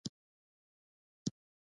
په همدغه اختر کې د یوې عجیبې پېښې شاهد وم.